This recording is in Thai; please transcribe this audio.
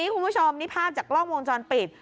คุณผู้ชมนี่ภาพจากกล้องวงจรปิด